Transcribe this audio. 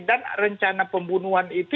dan rencana pembunuhan itu